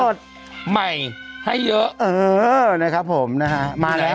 สดใหม่ให้เยอะเออนะครับผมนะฮะมาแล้ว